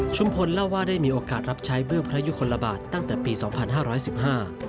พลเล่าว่าได้มีโอกาสรับใช้เบื้องพระยุคลบาทตั้งแต่ปีสองพันห้าร้อยสิบห้า